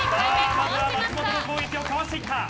まずは松本の攻撃をかわした。